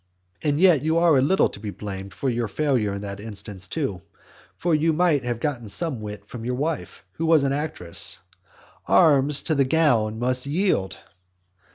And yet you are a little to be blamed for your failure in that instance, too. For you might have got some wit from your wife, who was an actress. "Arms to the gown must yield."